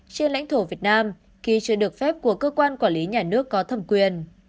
trên lãnh thổ việt nam khi chưa được phép của cơ quan quản lý nhà nước có thẩm quyền